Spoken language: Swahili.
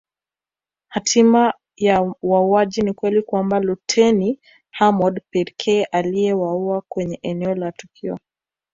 Hatima ya wauaji ni ukweli kwamba luteni Hamoud pekee aliyeuawa kwenye eneo la tukio